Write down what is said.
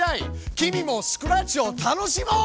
君もスクラッチを楽しもう！